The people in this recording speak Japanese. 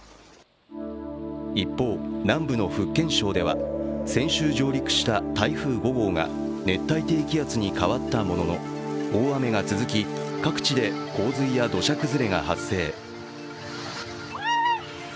一方、南部の福建省では先週上陸した台風５号が熱帯低気圧に変わったものの、大雨が続き、各地で洪水や土砂崩れが発生。